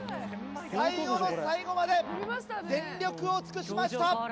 最後の最後まで全力を尽くしました。